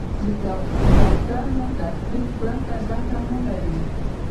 د ډاکټر له تصدیق پرته ګټه نه لري.